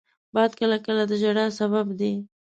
باد کله کله د ژړا سبب دی